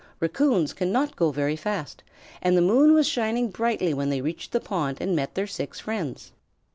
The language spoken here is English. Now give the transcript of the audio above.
Raccoons cannot go very fast, and the moon was shining brightly when they reached the pond and met their six friends.